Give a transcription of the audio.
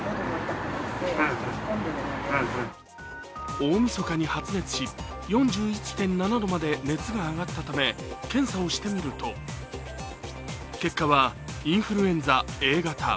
おおみそかに発熱し４１．７度まで熱が上がったので検査をしてみると、結果はインフルエンザＡ型。